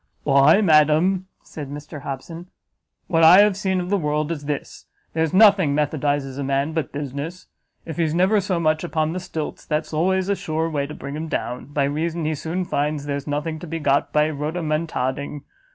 "Why, madam," said Mr Hobson, "what I have seen of the world is this; there's nothing methodizes a man but business. If he's never so much upon the stilts, that's always a sure way to bring him down, by reason he soon finds there's nothing to be got by rhodomontading.